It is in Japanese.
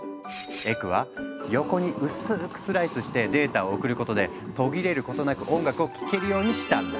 エクはヨコに薄くスライスしてデータを送ることで途切れることなく音楽を聴けるようにしたんだ。